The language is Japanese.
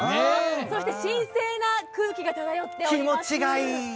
そして、神聖な空気が漂っております。